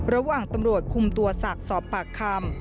ระหว่างตำรวจคุมตัวศักดิ์สอบปากคำ